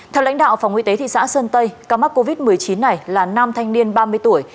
theo lãnh đạo phòng y tế thị xã sơn tây ca mắc covid một mươi chín này là nam thanh niên ba mươi tuổi